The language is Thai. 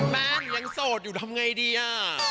แม่งยังโสดอยู่ทำไงดีอ่ะ